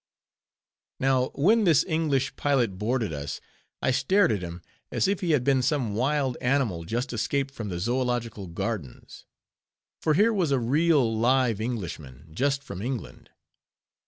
Now, when this English pilot boarded us, I stared at him as if he had been some wild animal just escaped from the Zoological Gardens; for here was a real live Englishman, just from England.